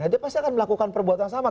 dia pasti akan melakukan perbuatan sama